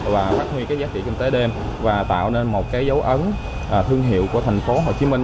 và phát huy cái giá trị kinh tế đêm và tạo nên một cái dấu ấn thương hiệu của thành phố hồ chí minh